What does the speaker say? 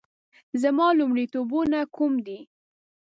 زما لومړیتوبونه کوم دي؟